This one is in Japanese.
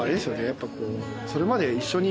やっぱこう。